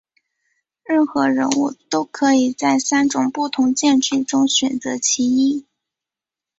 任何人物都可以在三种不同剑质中选择其一。